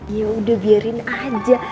ya sudah biarin saja